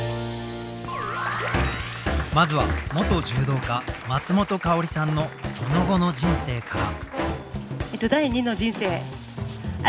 まずは元柔道家松本薫さんのその後の人生から。